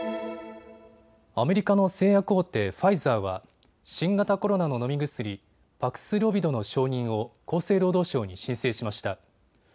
アメリカの製薬大手、ファイザーは新型コロナの飲み薬、パクスロビドの承認を厚生労働省に申請しました。